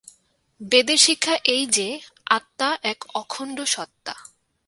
বেদের শিক্ষা এই যে, আত্মা এক অখণ্ড সত্তা।